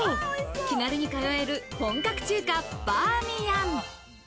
気軽に通える本格中華バーミヤン。